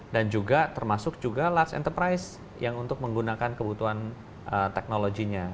dan juga termasuk juga large enterprise yang untuk menggunakan kebutuhan teknologinya